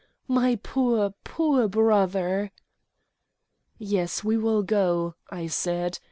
"My poor, poor brother!" "Yes, we will go," I said.